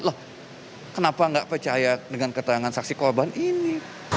loh kenapa nggak percaya dengan keterangan saksi korban ini